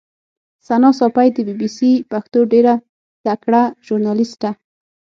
ثنا ساپۍ د بي بي سي پښتو ډېره تکړه ژورنالیسټه